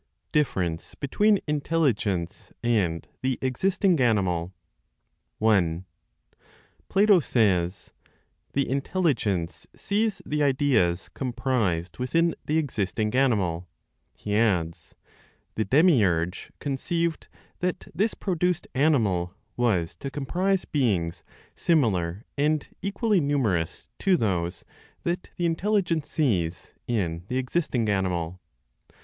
DIFFERENCE BETWEEN INTELLIGENCE AND THE EXISTING ANIMAL. 1. Plato says, "The intelligence sees the ideas comprised within the existing animal." He adds, "The demiurge conceived that this produced animal was to comprise beings similar and equally numerous to those that the intelligence sees in the existing animal."